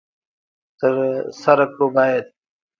تر سره کړو باید.